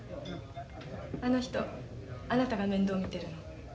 あの人あなたが面倒見てるの？